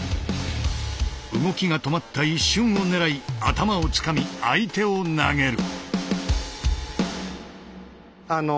動きが止まった一瞬を狙い頭をつかみ相手を投げる。